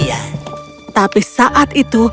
tapi saat itu mereka merasakan nafas mati